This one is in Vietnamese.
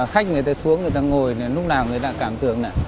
khách người ta xuống người ta ngồi lúc nào người ta cảm tưởng